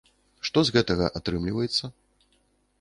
Што з гэтага атрымліваецца?